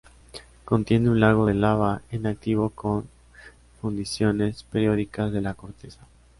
Contiene un lago de lava en activo con fundiciones periódicas de la corteza.